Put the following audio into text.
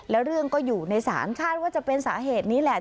แล้วเรื่องก็อยู่ในศาลคาดว่าจะเป็นสาเหตุนี้แหละ